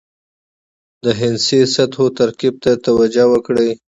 د هندسي سطحو ترکیب ته توجه وکړئ.